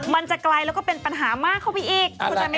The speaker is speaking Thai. มันจะไกลแล้วก็เป็นปัญหามากเข้าไปอีก